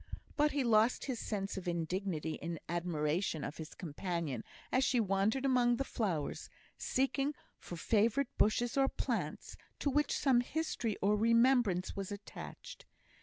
But he lost his sense of indignity in admiration of his companion as she wandered among the flowers, seeking for favourite bushes or plants, to which some history or remembrance was attached.